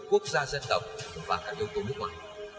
quốc gia dân tộc và các yếu tố nước ngoài